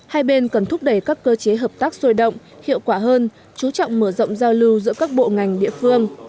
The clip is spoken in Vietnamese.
hai bên cần thúc đẩy các cơ chế hợp tác sôi động hiệu quả hơn chú trọng mở rộng giao lưu giữa các bộ ngành địa phương